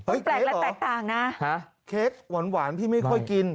เฮ้ยเค้กเหรอเค้กหวานพี่ไม่ค่อยกินฮะ